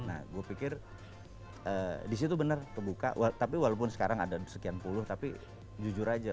nah gue pikir disitu bener terbuka tapi walaupun sekarang ada sekian puluh tapi jujur aja